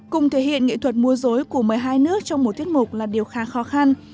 cùng thể hiện nghệ thuật mua dối của một mươi hai nước trong một tiết mục là điều khá khó khăn